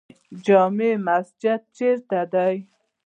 جامع مسجد چیرته دی؟